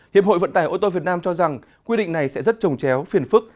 hiệp hội vận tải ô tô việt nam cho rằng quy định này sẽ rất trồng chéo phiền phức